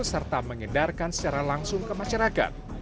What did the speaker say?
serta mengedarkan secara langsung ke masyarakat